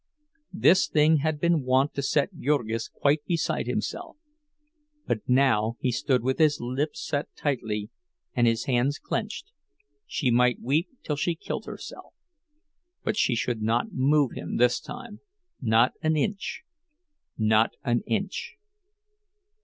This thing had been wont to set Jurgis quite beside himself; but now he stood with his lips set tightly and his hands clenched—she might weep till she killed herself, but she should not move him this time—not an inch, not an inch.